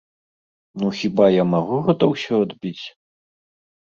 Ну хіба я магу гэта ўсё адбіць?